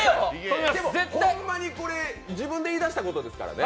ホンマにこれ、自分で言い出したことですからね。